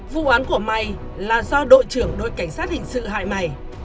vụ án của may là do đội trưởng đội cảnh sát hình sự hại mày